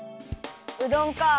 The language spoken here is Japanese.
うどんかあ。